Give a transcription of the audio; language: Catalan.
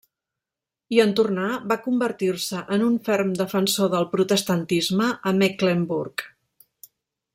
I en tornar va convertir-se en un ferm defensor del protestantisme a Mecklenburg.